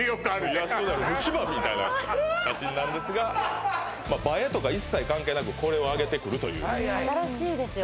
イラストである虫歯みたいな写真なんですがまあ映えとか一切関係なくこれをあげてくるという新しいですよね